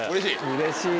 うれしい？